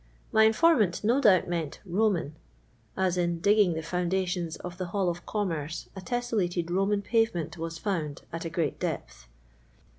My informant no doubt meant " Eomnu/' as in dij^ng the foundations of the Hall of Commerce a tesaeUted Roman pavement wa^ found at a great depth.